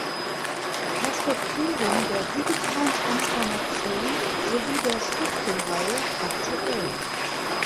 Perspektiven der digitalen Transformation" sowie der Schriftenreihe "Aktuell.